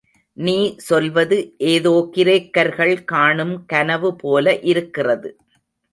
நீ சொல்வது, ஏதோ கிரேக்கர்கள் காணும் கனவு போல இருக்கிறது.